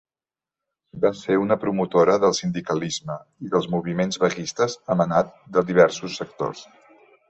Va ser una promotora del sindicalisme i dels moviments vaguistes emanat de diversos sectors.